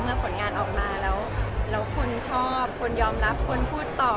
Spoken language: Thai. ผลงานออกมาแล้วคนชอบคนยอมรับคนพูดต่อ